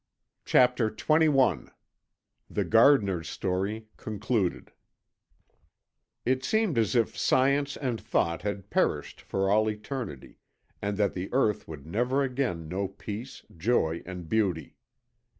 CHAPTER XXI THE GARDENER'S STORY, CONCLUDED "It seemed as if science and thought had perished for all eternity, and that the earth would never again know peace, joy, and beauty.